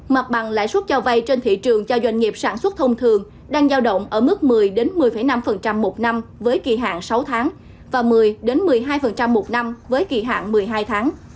mặt bằng lãi suất cho vay trên thị trường cho doanh nghiệp sản xuất thông thường đang giao động ở mức một mươi một mươi năm một năm với kỳ hạn sáu tháng và một mươi một mươi hai một năm với kỳ hạn một mươi hai tháng